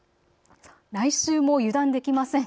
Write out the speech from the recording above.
来週も油断できません。